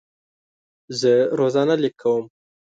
زه روزانه لیک کوم.